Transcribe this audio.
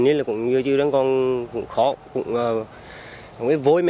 này cũng như chưa còn khó vôi mình còn có vài rồi vôi vì bớm rất nhiều mà vẫn bị vẫn bị